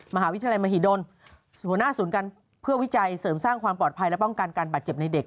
มหาวิทยาลัยมหิดลหัวหน้าศูนย์การเพื่อวิจัยเสริมสร้างความปลอดภัยและป้องกันการบาดเจ็บในเด็ก